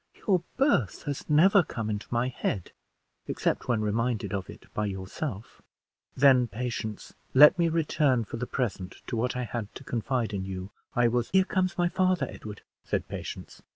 "Your birth has never come into my head, except when reminded of it by yourself." "Then, Patience, let me return for the present to what I had to confide to you. I was " "Here comes my father, Edward," said Patience.